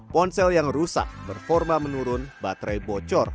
ponsel yang rusak berforma menurun baterai bocor